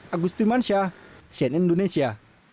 agus timansyah cnn indonesia